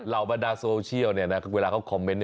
บรรดาโซเชียลเวลาเขาคอมเมนต์